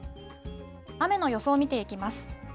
雨の予想を見ていきます。